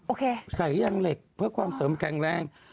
โอเคใส่ยางเหล็กเพื่อความเสริมแข็งแรง